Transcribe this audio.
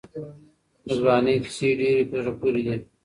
د ځوانۍ کیسې ډېرې په زړه پورې دي.